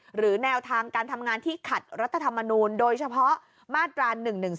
หรือแนวทางการทำงานที่ขัดรัฐธรรมนูลโดยเฉพาะมาตรา๑๑๒